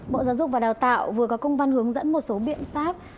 bộ giáo dục và đào tạo vừa có công văn hướng dẫn một số biện pháp